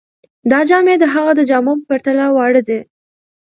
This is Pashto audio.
دا جامې د هغه د جامو په پرتله واړه دي.